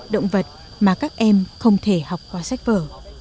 động vật mà các em không thể học qua sách vở